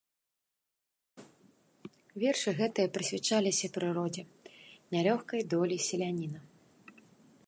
Вершы гэтыя прысвячаліся прыродзе, нялёгкай долі селяніна.